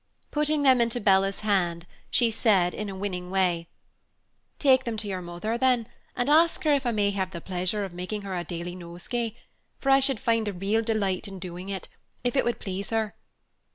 Putting them into Bella's hand, she said, in a winning way, "Take them to your mother, then, and ask her if I may have the pleasure of making her a daily nosegay; for I should find real delight in doing it, if it would please her."